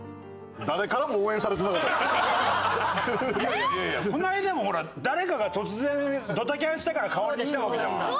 いやいやこの間もほら誰かが突然ドタキャンしたから代わりで来たわけじゃないですか。